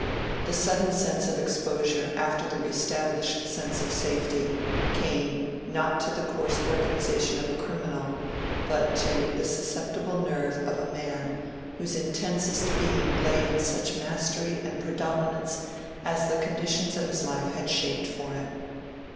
The sudden sense of exposure after the re established sense of safety came—not to the coarse organization of a criminal, but to the susceptible nerve of a man whose intensest being lay in such mastery and predominance as the conditions of his life had shaped for him.